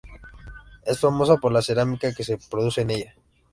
Es famosa por la cerámica que se produce en ella.